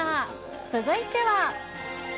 続いては。